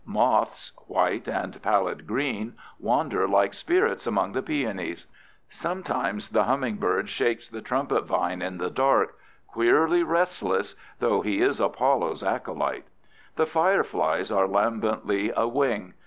Moths, white and pallid green, wander like spirits among the peonies. Sometimes the humming bird shakes the trumpet vine in the dark, queerly restless, though he is Apollo's acolyte. The fireflies are lambently awing.